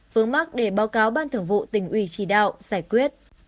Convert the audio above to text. vướng mắt để báo cáo ban thưởng vụ tỉnh ủy chỉ đạo giải quyết